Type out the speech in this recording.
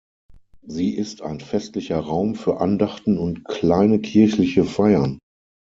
Sie ist ein festlicher Raum für Andachten und kleine kirchliche Feiern.